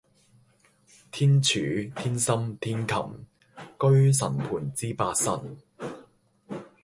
天柱、天心、天禽），居神盤之八神